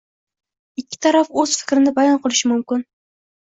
ikki taraf o‘z fikrini bayon qilishi mumkin